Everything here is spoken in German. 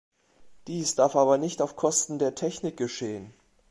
Dies darf aber nicht auf Kosten der Technik geschehen.